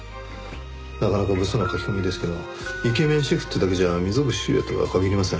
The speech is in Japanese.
なかなか物騒な書き込みですけどイケメンシェフってだけじゃ溝口修也とは限りません。